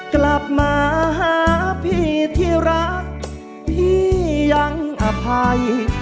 กลับมาหาพี่ที่รักพี่ยังอภัย